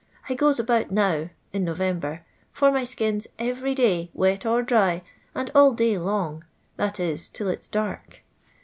I goes about now (in November) for my skins every day, wet or dry, and all day long— that is, till it 's dark.